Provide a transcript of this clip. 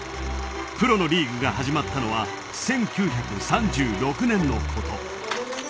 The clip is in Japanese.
プロのリーグが始まったのは１９３６年のこと。